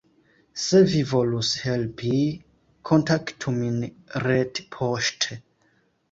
Se vi volus helpi, kontaktu min retpoŝte!